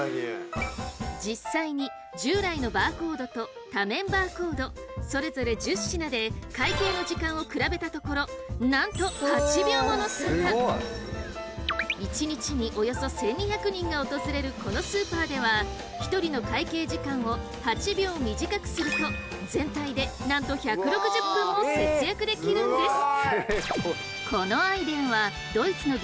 実際に従来のバーコードと多面バーコードそれぞれ１０品で会計の時間を比べたところなんと１日におよそ１，２００人が訪れるこのスーパーでは１人の会計時間を８秒短くすると全体でなんと１６０分も節約できるんです。